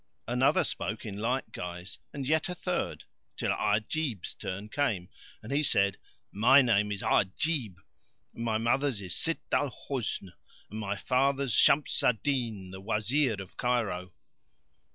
Another spoke in like guise and yet a third, till Ajid's turn came, and he said, "MY name is Ajib, and my mother's is Sitt al Husn, and my father's Shams al Din, the Wazir of Cairo."